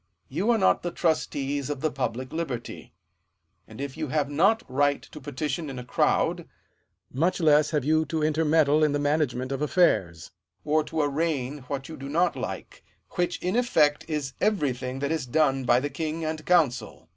You are not the trustees of the public liberty ; and if you have not right to petition in a crowd, much less have you to intermeddle in the manage ment of affairs ; or to arraign what you do not like, which in effect is every thing that is done by the king and council.